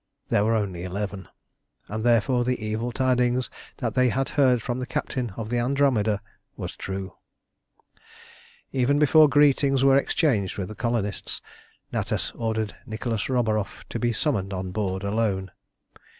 There were only eleven, and therefore the evil tidings that they had heard from the captain of the Andromeda was true. Even before greetings were exchanged with the colonists Natas ordered Nicholas Roburoff to be summoned on board alone.